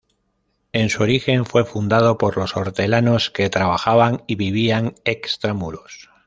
En su origen fue fundado por los hortelanos que trabajaban y vivían extramuros.